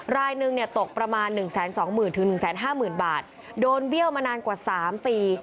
รายหนึ่งตกประมาณ๑๒๐๐๐๑๕๐๐๐บาทโดนเบี้ยวมานานกว่า๓ปี